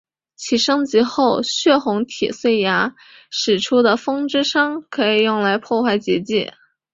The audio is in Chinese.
其升级后血红铁碎牙使出的风之伤可以用来破坏结界。